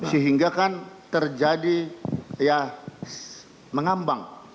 sehingga kan terjadi ya mengambang